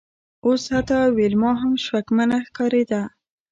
اوس حتی ویلما هم شکمنه ښکاریده